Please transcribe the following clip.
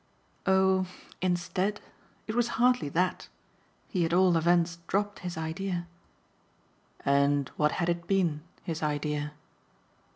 "Oh 'instead' it was hardly that. He at all events dropped his idea." "And what had it been, his idea?"